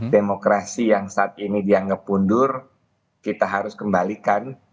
demokrasi yang saat ini dianggap mundur kita harus kembalikan